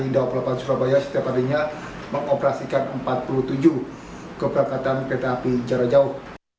dua puluh delapan surabaya setiap harinya mengoperasikan empat puluh tujuh keberangkatan kereta api jarak jauh